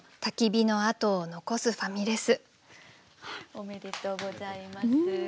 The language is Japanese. おめでとうございます。